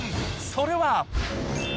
それは。